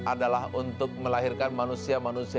adalah untuk melahirkan manusia manusia